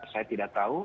saya tidak tahu